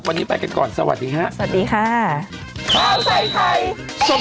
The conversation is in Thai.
วันนี้ไปกันก่อนสวัสดีค่ะสวัสดีค่ะ